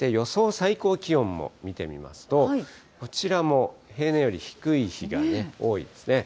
最高気温も見てみますと、こちらも平年より低い日がね、多いですね。